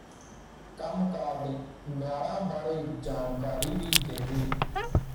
ਕੰਮਕਾਰ ਦੇ ਮਿਆਰਾਂ ਬਾਰੇ ਜਾਣਕਾਰੀ ਵੀ ਦੇਵੇ